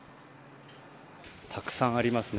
たくさんありますね